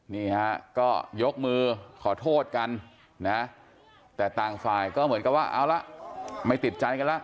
นี้เฮ้อยกมือขอโทษกันแหละแต่ตางฟายก็เหมือนกับว่าเอาล่ะไม่ติดใจกันละ